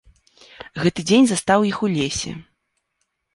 Гэты дзень застаў іх у лесе.